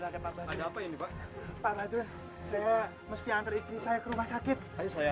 hai ada apa ini pak pak badri saya mesti antar istri saya ke rumah sakit saya